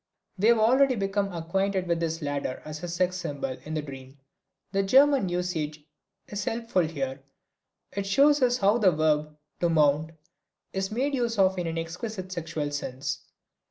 We have already become acquainted with his ladder as a sex symbol in the dream; the German usage is helpful here, it shows us how the verb "to mount" is made use of in an exquisite sexual sense.